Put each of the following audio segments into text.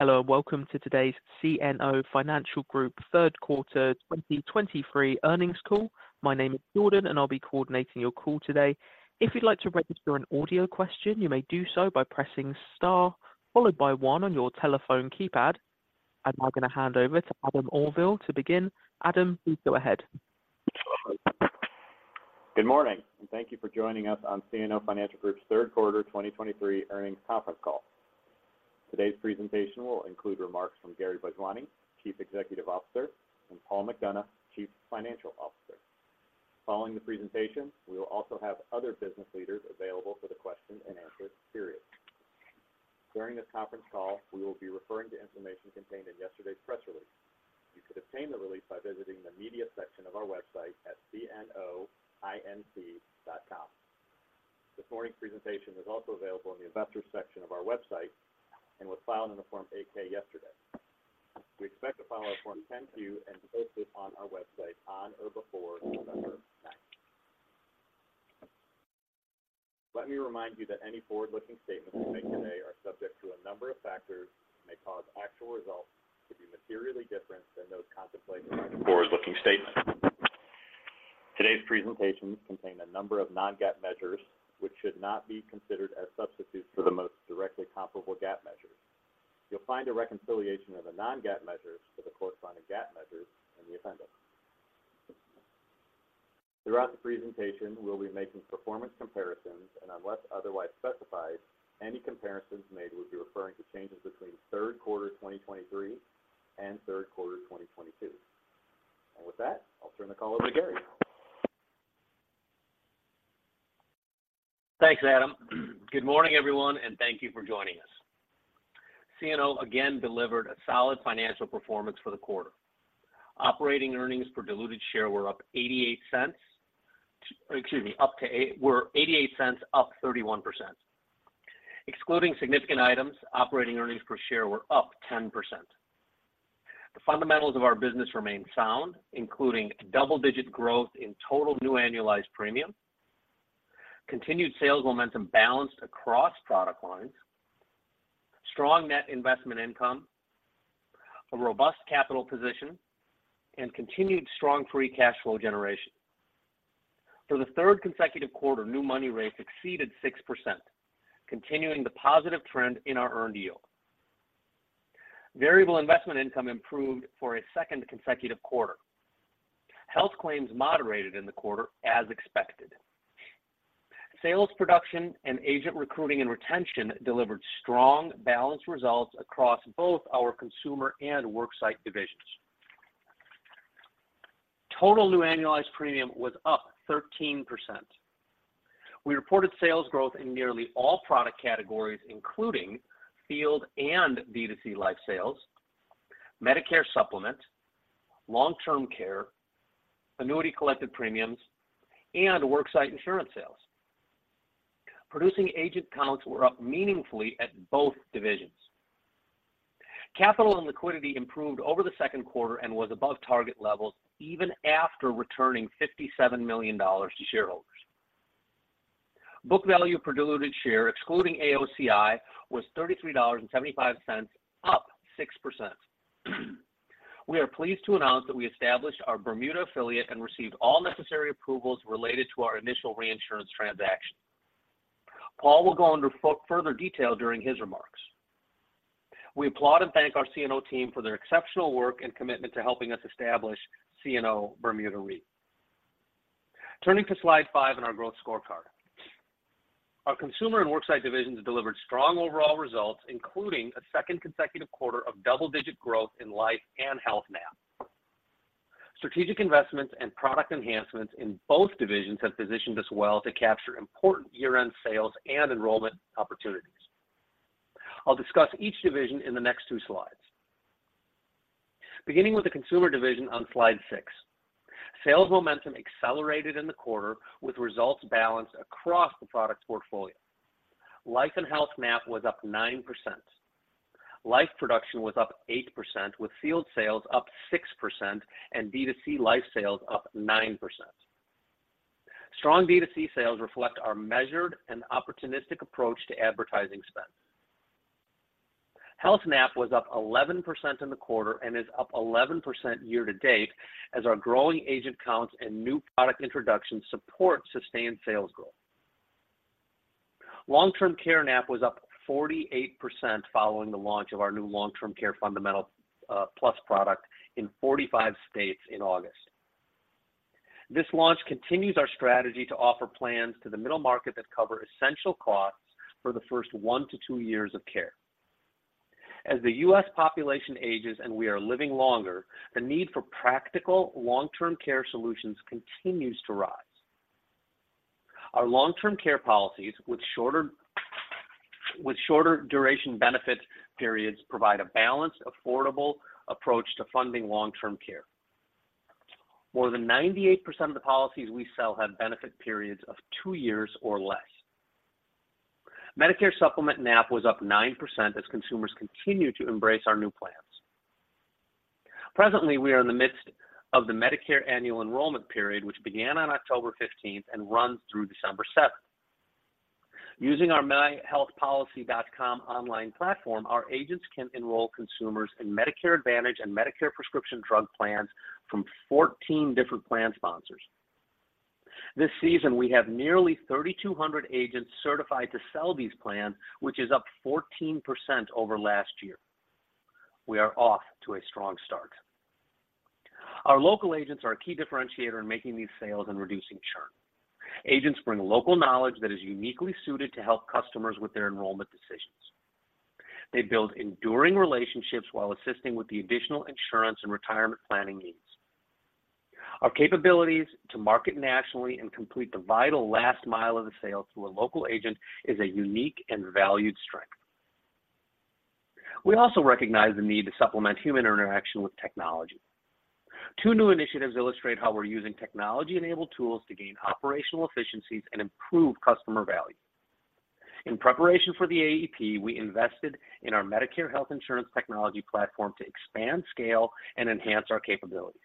Hello, and welcome to today's CNO Financial Group Q3 2023 Earnings Call. My name is Jordan, and I'll be coordinating your call today. If you'd like to register an audio question, you may do so by pressing star, followed by one on your telephone keypad. I'm now gonna hand over to Adam Auvil to begin. Adam, please go ahead. Good morning, and thank you for joining us on CNO Financial Group's Q3 2023 Earnings Conference Call. Today's presentation will include remarks from Gary Bhojwani, Chief Executive Officer, and Paul McDonough, Chief Financial Officer. Following the presentation, we will also have other business leaders available for the question and answer period. During this conference call, we will be referring to information contained in yesterday's press release. You could obtain the release by visiting the media section of our website at cnoinc.com. This morning's presentation is also available in the investor section of our website and was filed in a Form 8-K yesterday. We expect to file our Form 10-Q and post it on our website on or before November 9th. Let me remind you that any forward-looking statements we make today are subject to a number of factors that may cause actual results to be materially different than those contemplated by the forward-looking statement. Today's presentations contain a number of non-GAAP measures, which should not be considered as substitutes for the most directly comparable GAAP measures. You'll find a reconciliation of the non-GAAP measures to the corresponding GAAP measures in the appendix. Throughout the presentation, we'll be making performance comparisons, and unless otherwise specified, any comparisons made will be referring to changes between Q3 2023 and Q3 2022. With that, I'll turn the call over to Gary. Thanks, Adam. Good morning, everyone, and thank you for joining us. CNO again delivered a solid financial performance for the quarter. Operating earnings per diluted share were up $0.88, excuse me, up $0.88, up 31%. Excluding significant items, operating EPS were up 10%. The fundamentals of our business remain sound, including double-digit growth in total new annualized premium, continued sales momentum balanced across product lines, strong net investment income, a robust capital position, and continued strong free cash flow generation. For the third consecutive quarter, new money rates exceeded 6%, continuing the positive trend in our earned yield. Variable investment income improved for a second consecutive quarter. Health claims moderated in the quarter, as expected. Sales, production, and agent recruiting and retention delivered strong, balanced results across both our consumer and worksite divisions. Total new annualized premium was up 13%. We reported sales growth in nearly all product categories, including field and B2C life sales, Medicare Supplement, long-term care, annuity collected premiums, and worksite insurance sales. Producing agent counts were up meaningfully at both divisions. Capital and liquidity improved over the Q2 and was above target levels even after returning $57 million to shareholders. Book value per diluted share, excluding AOCI, was $33.75, up 6%. We are pleased to announce that we established our Bermuda affiliate and received all necessary approvals related to our initial reinsurance transaction. Paul will go under further detail during his remarks. We applaud and thank our CNO team for their exceptional work and commitment to helping us establish CNO Bermuda Re. Turning to slide five in our growth scorecard. Our consumer and worksite divisions delivered strong overall results, including a second consecutive quarter of double-digit growth in life and health NAP. Strategic investments and product enhancements in both divisions have positioned us well to capture important year-end sales and enrollment opportunities. I'll discuss each division in the next two slides. Beginning with the consumer division on slide six, sales momentum accelerated in the quarter with results balanced across the product portfolio. Life and health NAP was up 9%. Life production was up 8%, with field sales up 6% and B2C life sales up 9%. Strong B2C sales reflect our measured and opportunistic approach to advertising spend. Health NAP was up 11% in the quarter and is up 11% year to date as our growing agent counts and new product introductions support sustained sales growth. Long-term care NAP was up 48% following the launch of our new Long-Term Care Fundamental Plus product in 45 states in August. This launch continues our strategy to offer plans to the middle market that cover essential costs for the first one to two years of care. As the US population ages and we are living longer, the need for practical long-term care solutions continues to rise. Our long-term care policies, with shorter duration benefit periods, provide a balanced, affordable approach to funding long-term care. More than 98% of the policies we sell have benefit periods of two years or less. Medicare Supplement NAP was up 9% as consumers continue to embrace our new plans. Presently, we are in the midst of the Medicare annual enrollment period, which began on October 15th and runs through December 7th. Using our myHealthPolicy.com online platform, our agents can enroll consumers in Medicare Advantage and Medicare prescription drug plans from 14 different plan sponsors. This season, we have nearly 3,200 agents certified to sell these plans, which is up 14% over last year. We are off to a strong start. Our local agents are a key differentiator in making these sales and reducing churn. Agents bring local knowledge that is uniquely suited to help customers with their enrollment decisions. They build enduring relationships while assisting with the additional insurance and retirement planning needs. Our capabilities to market nationally and complete the vital last mile of the sale through a local agent is a unique and valued strength. We also recognize the need to supplement human interaction with technology. Two new initiatives illustrate how we're using technology-enabled tools to gain operational efficiencies and improve customer value. In preparation for the AEP, we invested in our Medicare health insurance technology platform to expand scale and enhance our capabilities.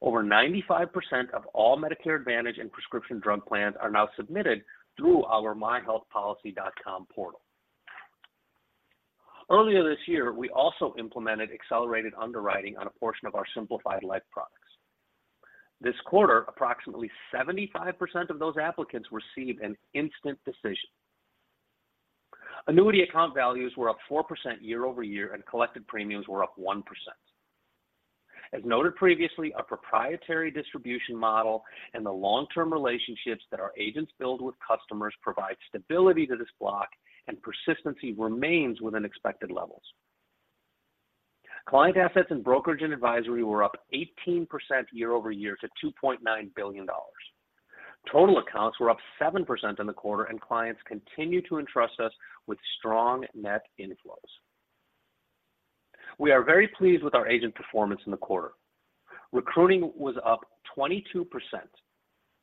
Over 95% of all Medicare Advantage and prescription drug plans are now submitted through our myHealthPolicy.com portal. Earlier this year, we also implemented accelerated underwriting on a portion of our simplified life products. This quarter, approximately 75% of those applicants received an instant decision. Annuity account values were up 4% year over year, and collected premiums were up 1%. As noted previously, a proprietary distribution model and the long-term relationships that our agents build with customers provide stability to this block, and persistency remains within expected levels. Client assets in brokerage and advisory were up 18% year over year to $2.9 billion. Total accounts were up 7% in the quarter, and clients continued to entrust us with strong net inflows. We are very pleased with our agent performance in the quarter. Recruiting was up 22%,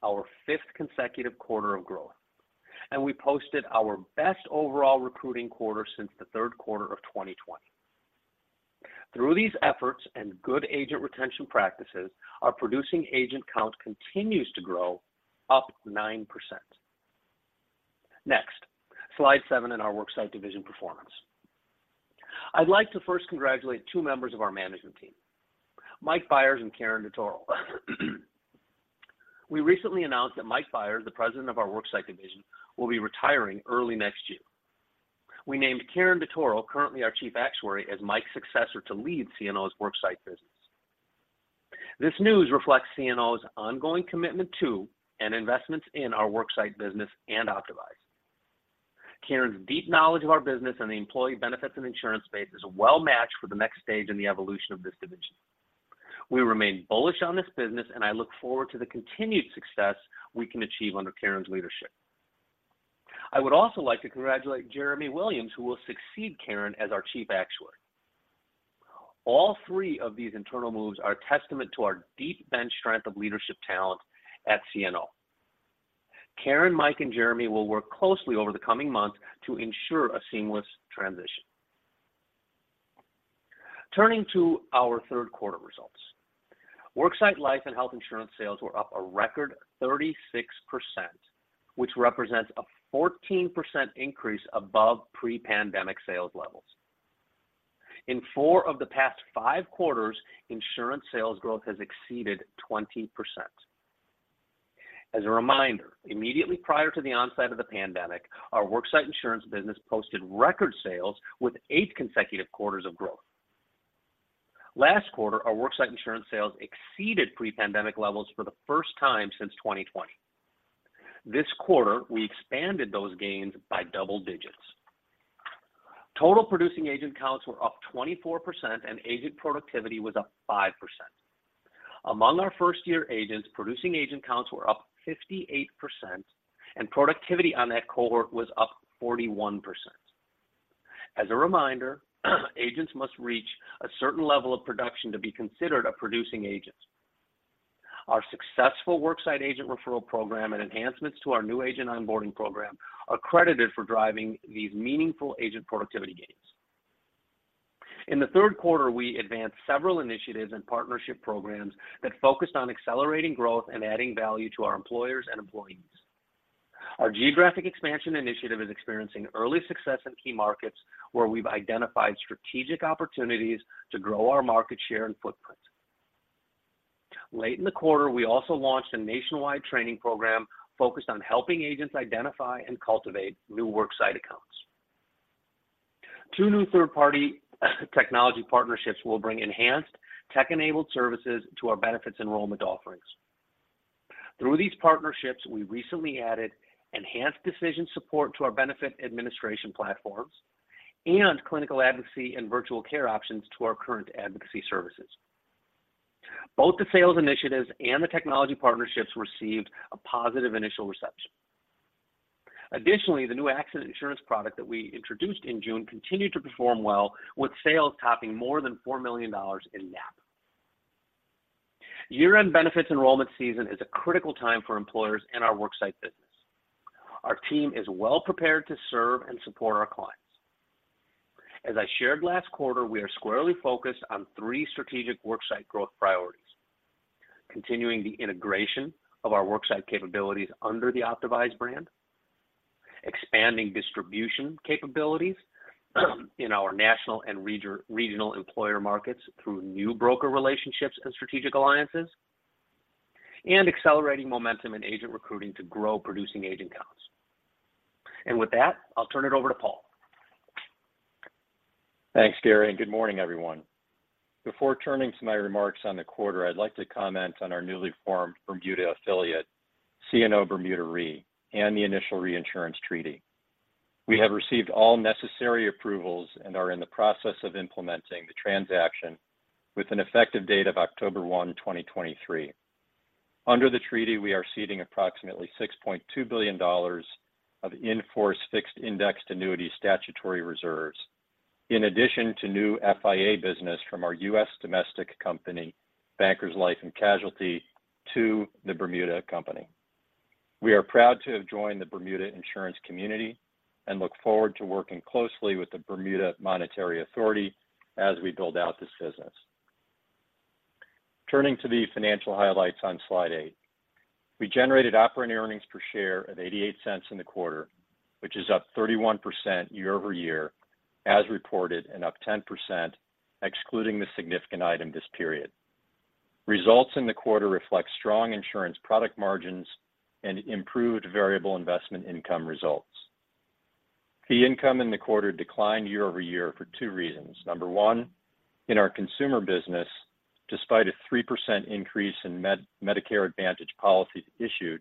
our fifth consecutive quarter of growth, and we posted our best overall recruiting quarter since the Q3 of 2020. Through these efforts and good agent retention practices, our producing agent count continues to grow, up 9%. Next, slide seven in our Worksite division performance. I'd like to first congratulate two members of our management team, Mike Byers and Karen DeToro. We recently announced that Mike Byers, the president of our Worksite division, will be retiring early next year. We named Karen DeToro, currently our Chief Actuary, as Mike's successor to lead CNO's Worksite business. This news reflects CNO's ongoing commitment to and investments in our Worksite business and Optavise. Karen's deep knowledge of our business and the employee benefits and insurance space is well matched for the next stage in the evolution of this division. We remain bullish on this business, and I look forward to the continued success we can achieve under Karen's leadership. I would also like to congratulate Jeremy Williams, who will succeed Karen as our Chief Actuary. All three of these internal moves are a testament to our deep bench strength of leadership talent at CNO. Karen, Mike, and Jeremy will work closely over the coming months to ensure a seamless transition. Turning to our Q3 results, Worksite life and health insurance sales were up a record 36%, which represents a 14% increase above pre-pandemic sales levels. In four of the past five quarters, insurance sales growth has exceeded 20%. As a reminder, immediately prior to the onset of the pandemic, our Worksite insurance business posted record sales with eight consecutive quarters of growth. Last quarter, our Worksite insurance sales exceeded pre-pandemic levels for the first time since 2020. This quarter, we expanded those gains by double digits. Total producing agent counts were up 24%, and agent productivity was up 5%. Among our first-year agents, producing agent counts were up 58%, and productivity on that cohort was up 41%. As a reminder, agents must reach a certain level of production to be considered a producing agent. Our successful Worksite agent referral program and enhancements to our new agent onboarding program are credited for driving these meaningful agent productivity gains. In the Q3, we advanced several initiatives and partnership programs that focused on accelerating growth and adding value to our employers and employees. Our geographic expansion initiative is experiencing early success in key markets, where we've identified strategic opportunities to grow our market share and footprint. Late in the quarter, we also launched a nationwide training program focused on helping agents identify and cultivate new Worksite accounts. Two new third-party technology partnerships will bring enhanced tech-enabled services to our benefits enrollment offerings. Through these partnerships, we recently added enhanced decision support to our benefit administration platforms and clinical advocacy and virtual care options to our current advocacy services. Both the sales initiatives and the technology partnerships received a positive initial reception. Additionally, the new accident insurance product that we introduced in June continued to perform well, with sales topping more than $4 million. Year-end benefits enrollment season is a critical time for employers in our worksite business. Our team is well prepared to serve and support our clients. As I shared last quarter, we are squarely focused on three strategic worksite growth priorities: continuing the integration of our worksite capabilities under the Optavise brand, expanding distribution capabilities in our national and regional employer markets through new broker relationships and strategic alliances, and accelerating momentum in agent recruiting to grow producing agent counts. With that, I'll turn it over to Paul. Thanks, Gary, and good morning, everyone. Before turning to my remarks on the quarter, I'd like to comment on our newly formed Bermuda affiliate, CNO Bermuda Re, and the initial reinsurance treaty. We have received all necessary approvals and are in the process of implementing the transaction with an effective date of October 1, 2023. Under the treaty, we are ceding approximately $6.2 billion of in-force fixed indexed annuity statutory reserves, in addition to new FIA business from our US domestic company, Bankers Life and Casualty, to the Bermuda company. We are proud to have joined the Bermuda insurance community and look forward to working closely with the Bermuda Monetary Authority as we build out this business. Turning to the financial highlights on Slide eight. We generated operating earnings per share of $0.88 in the quarter, which is up 31% year-over-year, as reported, and up 10%, excluding the significant item this period. Results in the quarter reflect strong insurance product margins and improved variable investment income results. The income in the quarter declined year-over-year for two reasons: number one, in our consumer business, despite a 3% increase in Medicare Advantage policies issued,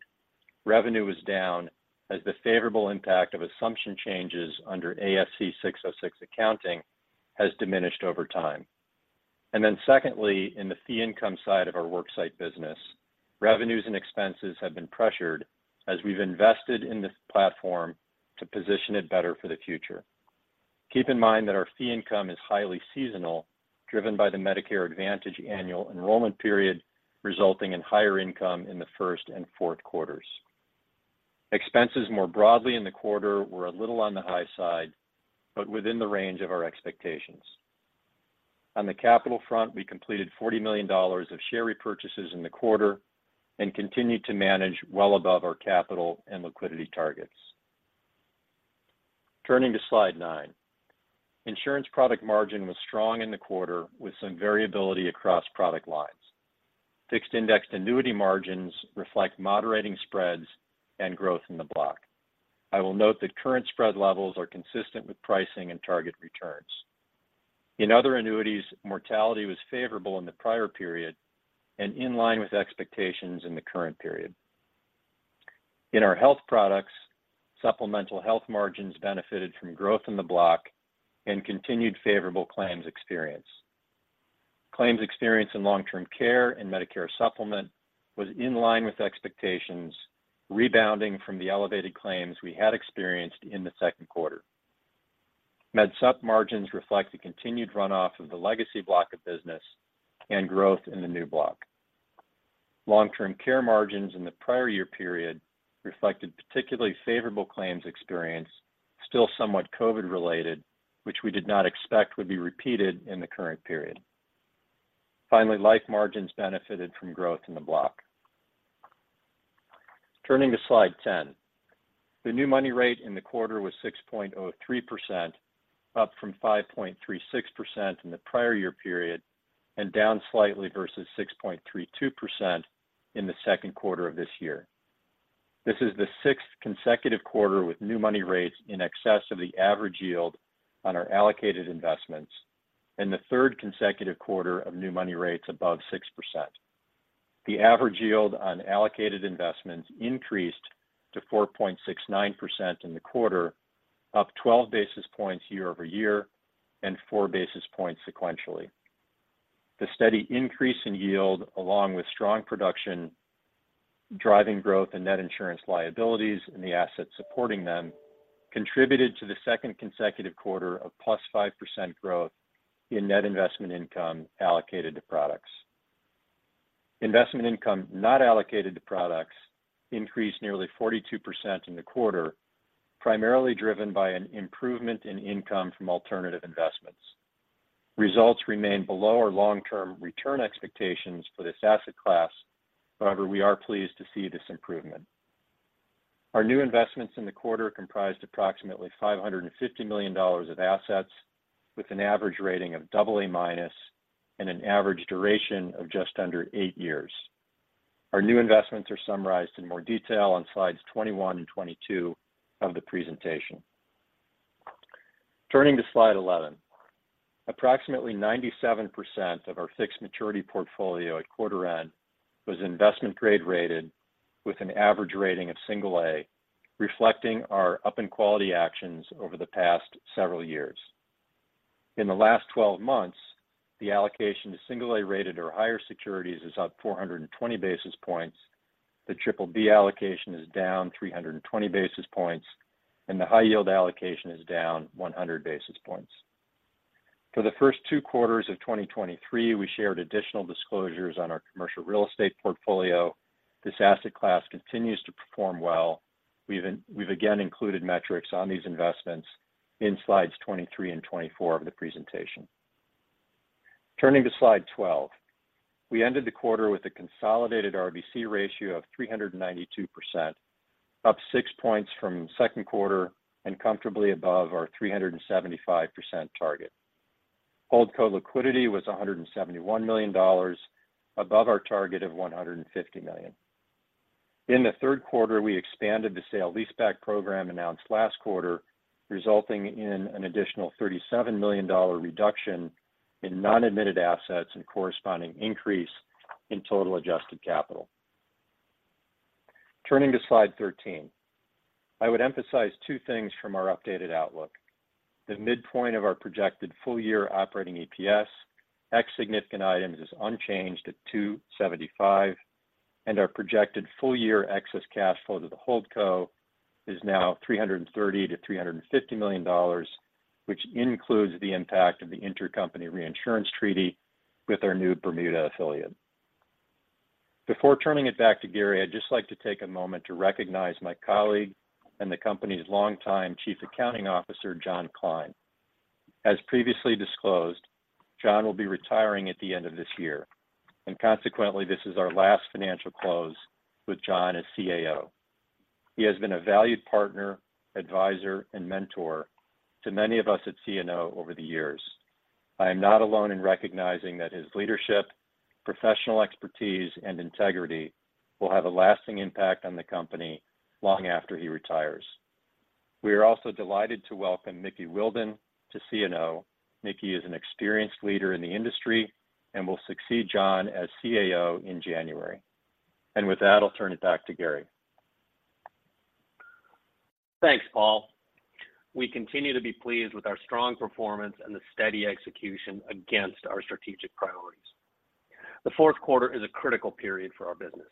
revenue was down as the favorable impact of assumption changes under ASC 606 accounting has diminished over time. And then secondly, in the fee income side of our worksite business, revenues and expenses have been pressured as we've invested in this platform to position it better for the future. Keep in mind that our fee income is highly seasonal, driven by the Medicare Advantage annual enrollment period, resulting in higher income in the Q1 and Q4. Expenses more broadly in the quarter were a little on the high side, but within the range of our expectations. On the capital front, we completed $40 million of share repurchases in the quarter and continued to manage well above our capital and liquidity targets. Turning to Slide nine. Insurance product margin was strong in the quarter, with some variability across product lines. Fixed indexed annuity margins reflect moderating spreads and growth in the block. I will note that current spread levels are consistent with pricing and target returns. In other annuities, mortality was favorable in the prior period and in line with expectations in the current period. In our health products, supplemental health margins benefited from growth in the block and continued favorable claims experience. Claims experience in long-term care and Medicare Supplement was in line with expectations, rebounding from the elevated claims we had experienced in the Q2. Med Sup margins reflect the continued runoff of the legacy block of business and growth in the new block. Long-term care margins in the prior year period reflected particularly favorable claims experience, still somewhat COVID-related, which we did not expect would be repeated in the current period. Finally, life margins benefited from growth in the block. Turning to Slide 10. The new money rate in the quarter was 6.03%, up from 5.36% in the prior year period, and down slightly versus 6.32% in the Q2 of this year. This is the sixth consecutive quarter with new money rates in excess of the average yield on our allocated investments and the third consecutive quarter of new money rates above 6%. The average yield on allocated investments increased to 4.69% in the quarter, up 12 basis points year-over-year and 4 basis points sequentially. The steady increase in yield, along with strong production, driving growth and net insurance liabilities and the assets supporting them, contributed to the second consecutive quarter of +5% growth in net investment income allocated to products. Investment income not allocated to products increased nearly 42% in the quarter, primarily driven by an improvement in income from alternative investments. Results remain below our long-term return expectations for this asset class. However, we are pleased to see this improvement. Our new investments in the quarter comprised approximately $550 million of assets, with an average rating of double A minus and an average duration of just under eight years. Our new investments are summarized in more detail on Slides 21 and 22 of the presentation. Turning to Slide 11. Approximately 97% of our fixed maturity portfolio at quarter end was investment grade rated with an average rating of single A, reflecting our up in quality actions over the past several years. In the last 12 months, the allocation to single A-rated or higher securities is up 420 basis points, the triple B allocation is down 320 basis points, and the high yield allocation is down 100 basis points.... For the first two quarters of 2023, we shared additional disclosures on our commercial real estate portfolio. This asset class continues to perform well. We've we've again included metrics on these investments in slides 23 and 24 of the presentation. Turning to slide 12, we ended the quarter with a consolidated RBC ratio of 392%, up 6 points from Q2, and comfortably above our 375% target. Holdco liquidity was $171 million, above our target of $150 million. In the Q3, we expanded the sale leaseback program announced last quarter, resulting in an additional $37 million reduction in non-admitted assets and corresponding increase in total adjusted capital. Turning to slide 13. I would emphasize two things from our updated outlook. The midpoint of our projected full year operating EPS, ex significant items, is unchanged at 275, and our projected full year excess cash flow to the Holdco is now $330-350 million, which includes the impact of the intercompany reinsurance treaty with our new Bermuda affiliate. Before turning it back to Gary, I'd just like to take a moment to recognize my colleague and the company's longtime Chief Accounting Officer, John Kline. As previously disclosed, John will be retiring at the end of this year, and consequently, this is our last financial close with John as CAO. He has been a valued partner, advisor, and mentor to many of us at CNO over the years. I am not alone in recognizing that his leadership, professional expertise, and integrity will have a lasting impact on the company long after he retires. We are also delighted to welcome Mickey Whilden to CNO. Mickey is an experienced leader in the industry and will succeed John as CAO in January. With that, I'll turn it back to Gary. Thanks, Paul. We continue to be pleased with our strong performance and the steady execution against our strategic priorities. The Q4 is a critical period for our business.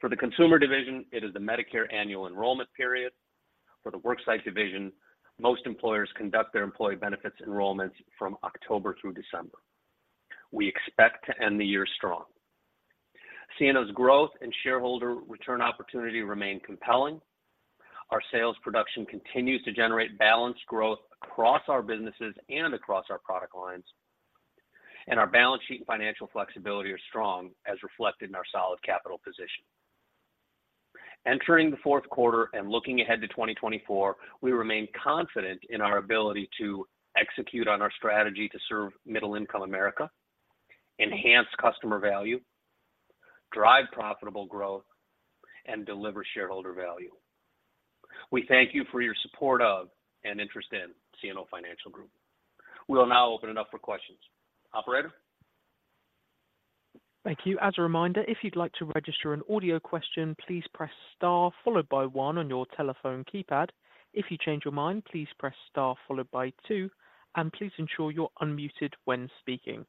For the consumer division, it is the Medicare annual enrollment period. For the worksite division, most employers conduct their employee benefits enrollments from October through December. We expect to end the year strong. CNO's growth and shareholder return opportunity remain compelling. Our sales production continues to generate balanced growth across our businesses and across our product lines, and our balance sheet and financial flexibility are strong, as reflected in our solid capital position. Entering the Q4 and looking ahead to 2024, we remain confident in our ability to execute on our strategy to serve middle-income America, enhance customer value, drive profitable growth, and deliver shareholder value. We thank you for your support of and interest in CNO Financial Group. We will now open it up for questions. Operator? Thank you. As a reminder, if you'd like to register an audio question, please press Star followed by one on your telephone keypad. If you change your mind, please press Star followed by two, and please ensure you're unmuted when speaking.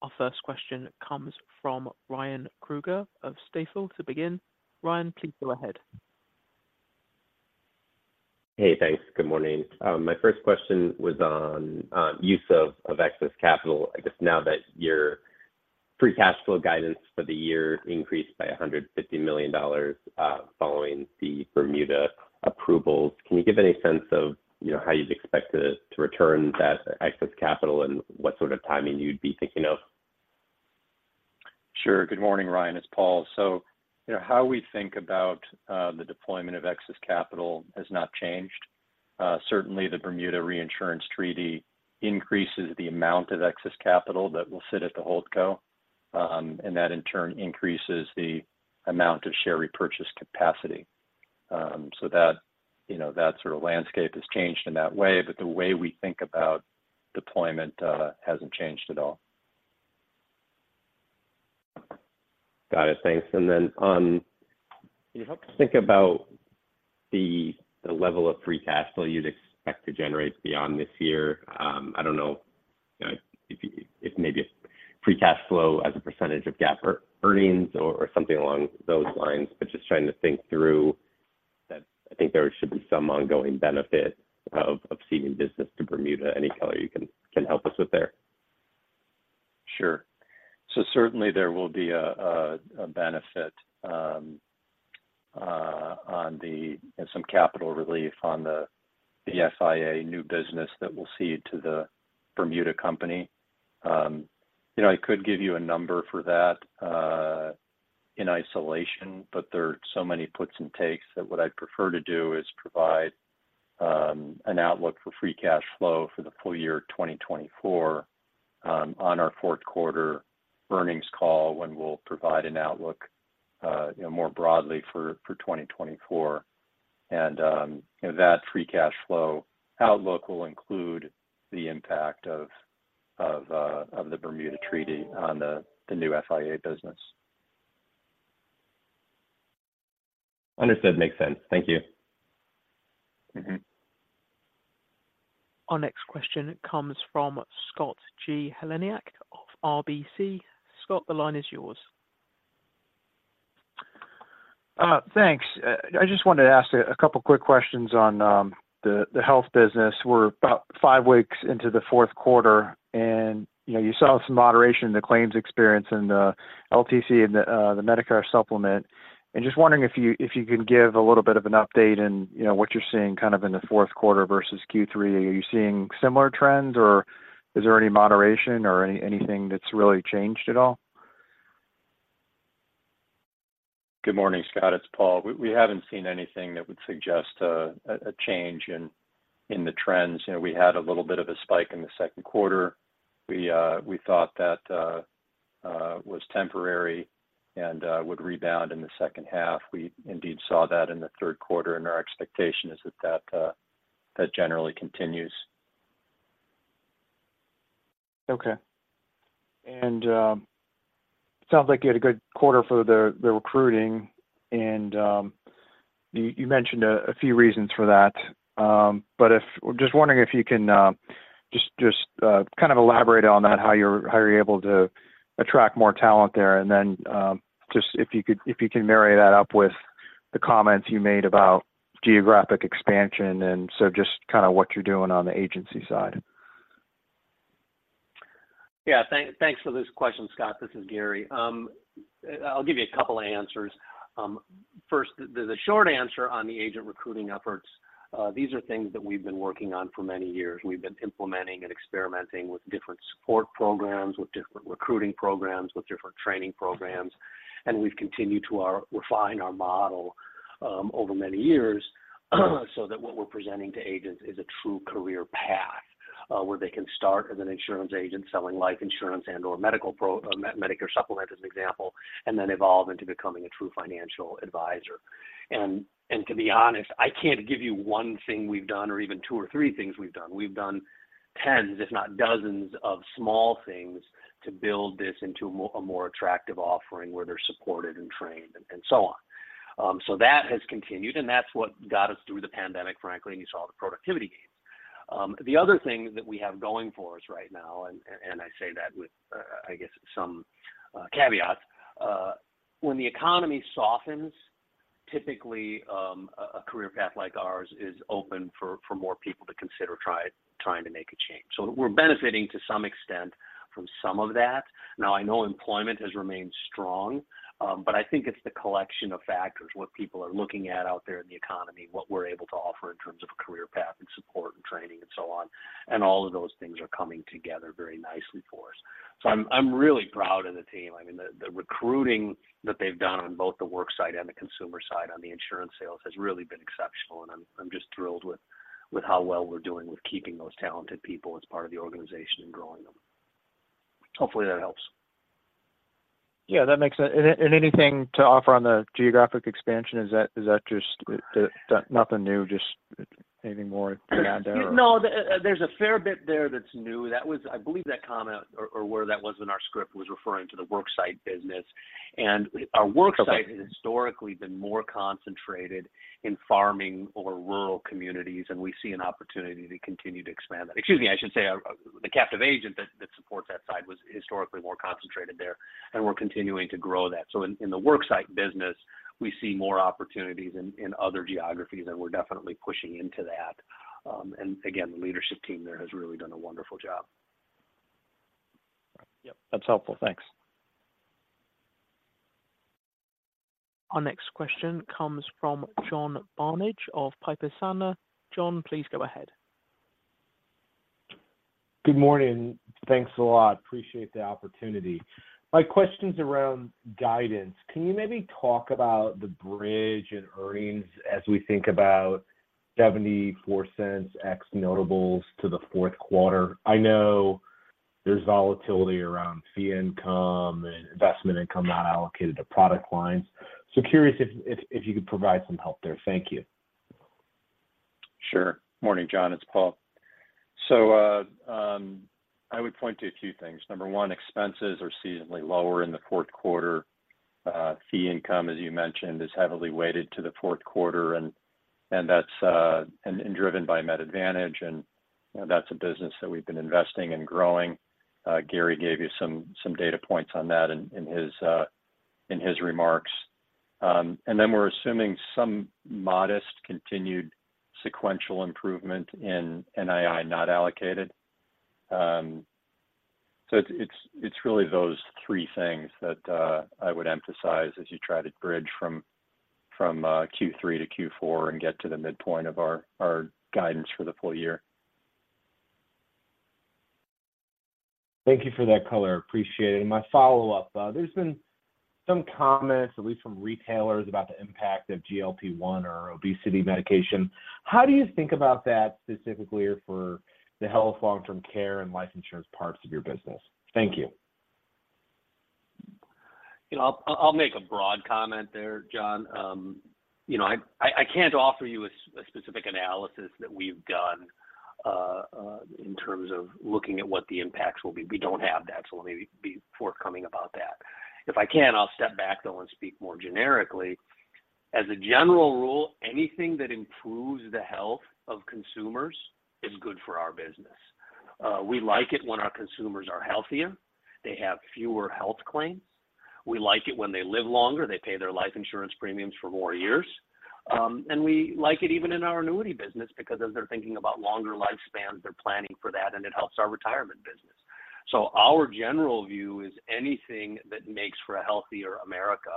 Our first question comes from Ryan Krueger of Stifel to begin. Ryan, please go ahead. Hey, thanks. Good morning. My first question was on use of excess capital. I guess now that your free cash flow guidance for the year increased by $150 million, following the Bermuda approvals, can you give any sense of, you know, how you'd expect to return that excess capital and what sort of timing you'd be thinking of? Sure. Good morning, Ryan, it's Paul. So, you know, how we think about the deployment of excess capital has not changed. Certainly, the Bermuda Reinsurance treaty increases the amount of excess capital that will sit at the Holdco, and that, in turn, increases the amount of share repurchase capacity. So that, you know, that sort of landscape has changed in that way, but the way we think about deployment hasn't changed at all. Got it. Thanks. And then, can you help us think about the level of free cash flow you'd expect to generate beyond this year? I don't know if maybe a free cash flow as a percentage of GAAP earnings or something along those lines, but just trying to think through that I think there should be some ongoing benefit of seeing business to Bermuda. Any color you can help us with there? Sure. So certainly there will be a benefit and some capital relief on the FIA new business that we'll cede to the Bermuda company. You know, I could give you a number for that in isolation, but there are so many puts and takes that what I'd prefer to do is provide an outlook for free cash flow for the full year 2024 on our Q4 Earnings Call, when we'll provide an outlook you know more broadly for 2024. And you know that free cash flow outlook will include the impact of the Bermuda treaty on the new FIA business. Understood. Makes sense. Thank you. Mm-hmm. Our next question comes from Scott Heleniak of RBC. Scott, the line is yours.... Thanks. I just wanted to ask a couple quick questions on the health business. We're about five weeks into the Q4, and, you know, you saw some moderation in the claims experience in the LTC and the Medicare Supplement. And just wondering if you could give a little bit of an update in, you know, what you're seeing kind of in the Q4 versus Q3. Are you seeing similar trends, or is there any moderation or anything that's really changed at all? Good morning, Scott. It's Paul. We haven't seen anything that would suggest a change in the trends. You know, we had a little bit of a spike in the Q2. We thought that was temporary and would rebound in the H2. We indeed saw that in the Q3, and our expectation is that generally continues. Okay. And sounds like you had a good quarter for the recruiting, and you mentioned a few reasons for that. But just wondering if you can just kind of elaborate on that, how you're able to attract more talent there. And then just if you can marry that up with the comments you made about geographic expansion, and so just kind of what you're doing on the agency side. Yeah, thanks for this question, Scott. This is Gary. I'll give you a couple of answers. First, the short answer on the agent recruiting efforts, these are things that we've been working on for many years. We've been implementing and experimenting with different support programs, with different recruiting programs, with different training programs, and we've continued to refine our model over many years, so that what we're presenting to agents is a true career path, where they can start as an insurance agent selling life insurance and/or Medicare Supplement, as an example, and then evolve into becoming a true financial advisor. And to be honest, I can't give you one thing we've done or even two or three things we've done. We've done tens, if not dozens, of small things to build this into a more attractive offering, where they're supported and trained and so on. So that has continued, and that's what got us through the pandemic, frankly, and you saw the productivity gain. The other thing that we have going for us right now, and I say that with, I guess some caveats, when the economy softens, typically, a career path like ours is open for more people to consider trying to make a change. So we're benefiting to some extent from some of that. Now, I know employment has remained strong, but I think it's the collection of factors, what people are looking at out there in the economy, what we're able to offer in terms of career path and support and training and so on, and all of those things are coming together very nicely for us. So I'm really proud of the team. I mean, the recruiting that they've done on both the work side and the consumer side on the insurance sales has really been exceptional, and I'm just thrilled with how well we're doing with keeping those talented people as part of the organization and growing them. Hopefully, that helps. Yeah, that makes sense. And anything to offer on the geographic expansion? Is that just nothing new, just anything more to add there? No, there's a fair bit there that's new. That, I believe, that comment or, or where that was in our script, was referring to the worksite business. Okay. Our worksite has historically been more concentrated in farming or rural communities, and we see an opportunity to continue to expand that. Excuse me, I should say, the captive agent that supports that side was historically more concentrated there, and we're continuing to grow that. So in the worksite business, we see more opportunities in other geographies, and we're definitely pushing into that. And again, the leadership team there has really done a wonderful job. Yep, that's helpful. Thanks. Our next question comes from John Barnidge of Piper Sandler. John, please go ahead. Good morning. Thanks a lot. Appreciate the opportunity. My question's around guidance. Can you maybe talk about the bridge in earnings as we think about $0.74 ex-notables to the Q4? I know there's volatility around fee income and investment income not allocated to product lines. So curious if you could provide some help there. Thank you. Sure. Morning, John, it's Paul. So, I would point to a few things. Number one, expenses are seasonally lower in the Q4. Fee income, as you mentioned, is heavily weighted to the Q4, and that's driven by Med Advantage, and that's a business that we've been investing and growing. Gary gave you some data points on that in his remarks. And then we're assuming some modest continued sequential improvement in NII, not allocated. So it's really those three things that I would emphasize as you try to bridge from Q3 to Q4 and get to the midpoint of our guidance for the full year. Thank you for that color. Appreciate it. My follow-up, there's been some comments, at least from retailers, about the impact of GLP-1 or obesity medication. How do you think about that specifically for the health, long-term care, and life insurance parts of your business? Thank you. You know, I'll make a broad comment there, John. You know, I can't offer you a specific analysis that we've done in terms of looking at what the impacts will be. We don't have that, so let me be forthcoming about that. If I can, I'll step back, though, and speak more generically. As a general rule, anything that improves the health of consumers is good for our business. We like it when our consumers are healthier, they have fewer health claims. We like it when they live longer, they pay their life insurance premiums for more years. And we like it even in our annuity business, because as they're thinking about longer lifespans, they're planning for that, and it helps our retirement business. So our general view is anything that makes for a healthier America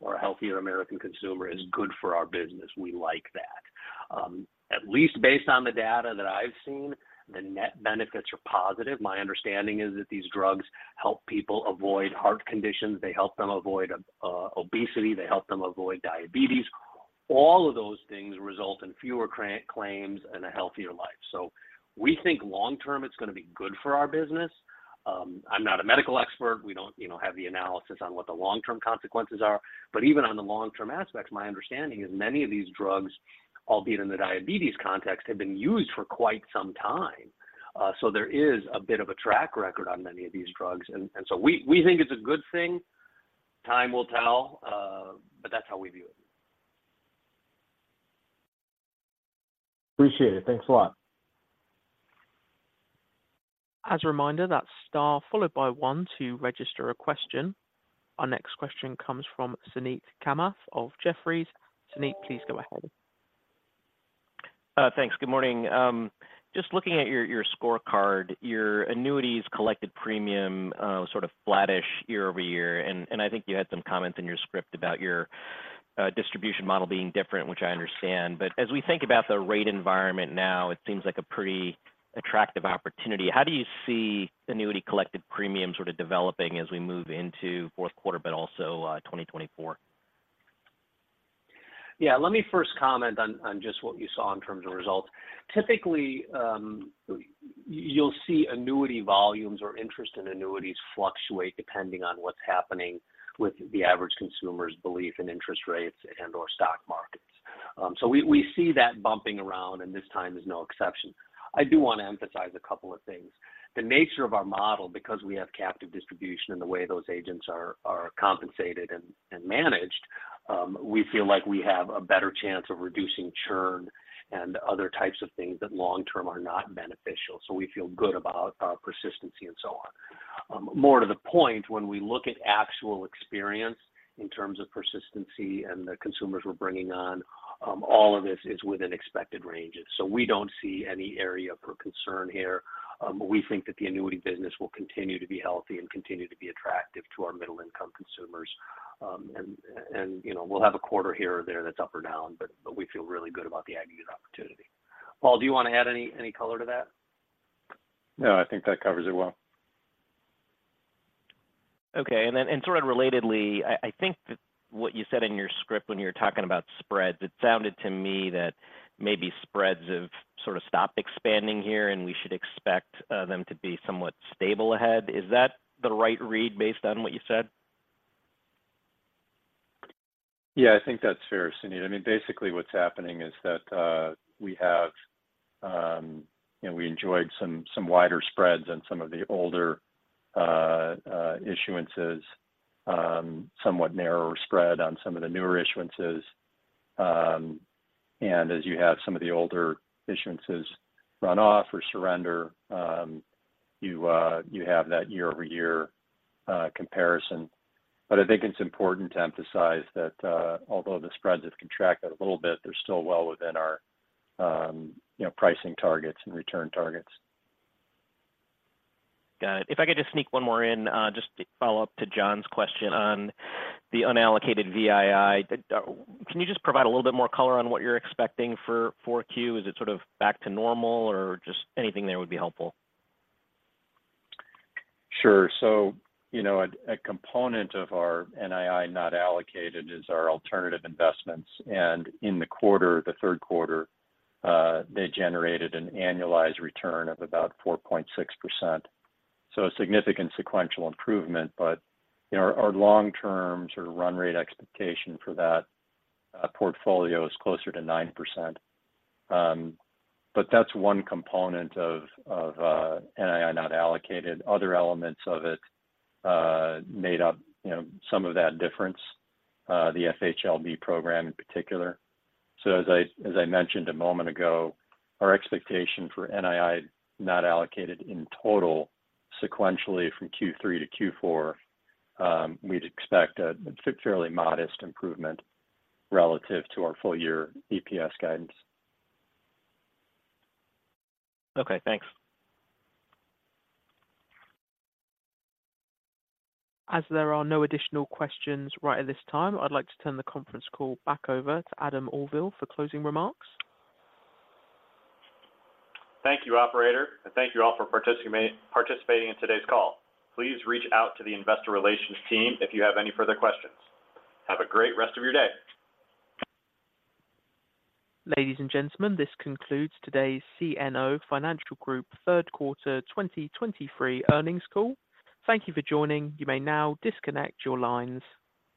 or a healthier American consumer is good for our business. We like that. At least based on the data that I've seen, the net benefits are positive. My understanding is that these drugs help people avoid heart conditions, they help them avoid obesity, they help them avoid diabetes. All of those things result in fewer claims and a healthier life. So we think long term, it's going to be good for our business. I'm not a medical expert. We don't, you know, have the analysis on what the long-term consequences are. But even on the long-term aspects, my understanding is many of these drugs, albeit in the diabetes context, have been used for quite some time. So there is a bit of a track record on many of these drugs, and so we think it's a good thing. Time will tell, but that's how we view it. Appreciate it. Thanks a lot. As a reminder, that's star followed by one to register a question. Our next question comes from Suneet Kamath of Jefferies. Suneet, please go ahead. Thanks. Good morning. Just looking at your, your scorecard, your annuities collected premium was sort of flattish year-over-year, and I think you had some comments in your script about your distribution model being different, which I understand. But as we think about the rate environment now, it seems like a pretty attractive opportunity. How do you see annuity collected premium sort of developing as we move into Q4, but also 2024? Yeah, let me first comment on just what you saw in terms of results. Typically, you'll see annuity volumes or interest in annuities fluctuate depending on what's happening with the average consumer's belief in interest rates and/or stock markets. So we see that bumping around, and this time is no exception. I do want to emphasize a couple of things. The nature of our model, because we have captive distribution in the way those agents are compensated and managed, we feel like we have a better chance of reducing churn and other types of things that long term are not beneficial. So we feel good about our persistency and so on. More to the point, when we look at actual experience in terms of persistency and the consumers we're bringing on, all of this is within expected ranges. We don't see any area for concern here. We think that the annuity business will continue to be healthy and continue to be attractive to our middle-income consumers. You know, we'll have a quarter here or there that's up or down, but we feel really good about the annuity opportunity. Paul, do you want to add any color to that? No, I think that covers it well. Okay, and then, and sort of relatedly, I think that what you said in your script when you were talking about spreads, it sounded to me that maybe spreads have sort of stopped expanding here, and we should expect them to be somewhat stable ahead. Is that the right read based on what you said? Yeah, I think that's fair, Suneet. I mean, basically, what's happening is that, we have, you know, we enjoyed some, some wider spreads on some of the older, issuances, somewhat narrower spread on some of the newer issuances. And as you have some of the older issuances run off or surrender, you, you have that year-over-year, comparison. But I think it's important to emphasize that, although the spreads have contracted a little bit, they're still well within our, you know, pricing targets and return targets. Got it. If I could just sneak one more in, just to follow up to John's question on the unallocated VII. Can you just provide a little bit more color on what you're expecting for 4Q? Is it sort of back to normal or just anything there would be helpful? Sure. So, you know, a component of our NII not allocated is our alternative investments, and in the quarter, the Q3, they generated an annualized return of about 4.6%. So a significant sequential improvement, but, you know, our long-term sort of run rate expectation for that portfolio is closer to 9%. But that's one component of NII not allocated. Other elements of it made up, you know, some of that difference, the FHLB program in particular. So as I mentioned a moment ago, our expectation for NII not allocated in total sequentially from Q3 to Q4, we'd expect a fairly modest improvement relative to our full year EPS guidance. Okay, thanks. As there are no additional questions right at this time, I'd like to turn the conference call back over to Adam Auvil for closing remarks. Thank you, operator, and thank you all for participating in today's call. Please reach out to the investor relations team if you have any further questions. Have a great rest of your day. Ladies and gentlemen, this concludes today's CNO Financial Group Q3 2023 earnings call. Thank you for joining. You may now disconnect your lines.